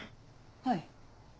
はい。